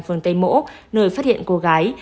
phương tây mỗ nơi phát hiện cô gái